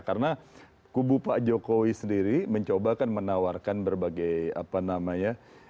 karena kubu pak jokowi sendiri mencoba kan menawarkan berbagai apa namanya